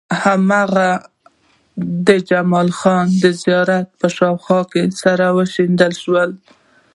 هماغه د جمال خان د زيارت په شاوخوا کې سره وشيندل شو.